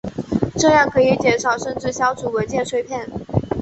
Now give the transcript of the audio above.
这样可以减少甚至消除文件碎片。